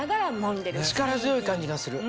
力強い感じがする。